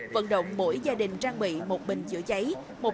vận động mỗi gia đình trang bị một bình chữa cháy